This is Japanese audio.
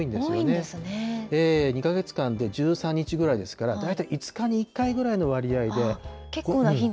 ２か月間で１３日ぐらいですから、大体５日に１回ぐらいの割結構な頻度ですね。